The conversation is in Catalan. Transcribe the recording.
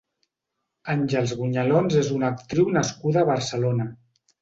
Àngels Gonyalons és una actriu nascuda a Barcelona.